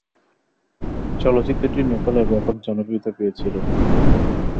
চলচ্চিত্রটি নেপালে ব্যাপক জনপ্রিয়তা পেয়েছিল।